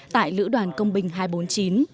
tại lữ đoàn công binh hai trăm bốn mươi chín